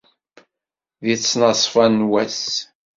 D tnaṣfa n wass.